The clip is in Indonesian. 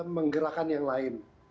menggerakkan yang lain